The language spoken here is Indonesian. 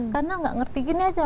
karena nggak ngerti gini aja